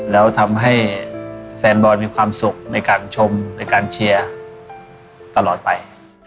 แล้วทำให้แฟนบอลมีความสุขในการชมในการเชียร์ตลอดไป